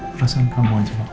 perasaan kamu anjur